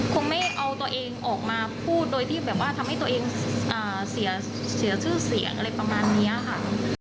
คงไม่เอาตัวเองออกมาพูดโดยที่แบบว่าทำให้ตัวเองเสียชื่อเสียงอะไรประมาณนี้ค่ะ